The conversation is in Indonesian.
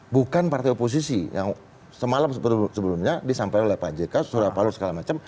bukan partai oposisi yang semalam sebelumnya disampaikan oleh pak jk surapalo segala macam